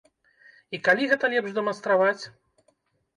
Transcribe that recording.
І калі гэта лепш дэманстраваць?